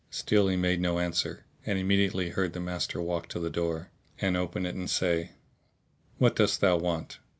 Still he made no answer and immediately heard the master walk to the door and open it and say, "What dost thou want?"